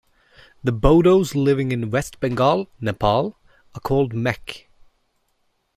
The Bodos living in West Bengal, Nepal are called Mech.